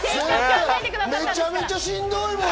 めちゃめちゃしんどいもん。